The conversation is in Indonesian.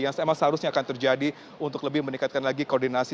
yang memang seharusnya akan terjadi untuk lebih meningkatkan lagi koordinasi